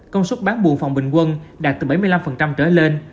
công suất bán bùa phòng bình quân đạt từ bảy mươi năm trở lên